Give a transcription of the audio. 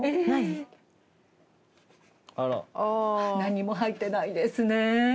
何も入ってないですね。